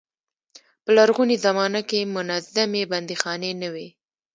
په لرغونې زمانه کې منظمې بندیخانې نه وې.